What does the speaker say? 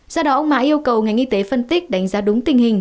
do đó ông mã yêu cầu ngành y tế phân tích đánh giá đúng tình hình